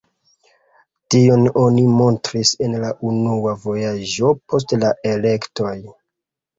Tion oni montris en la unua vojaĝo post la elektoj.